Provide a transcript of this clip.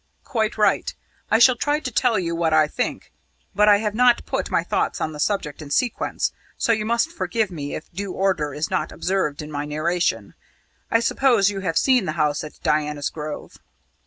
"Quite right. I shall try to tell you what I think; but I have not put my thoughts on the subject in sequence, so you must forgive me if due order is not observed in my narration. I suppose you have seen the house at Diana's Grove?"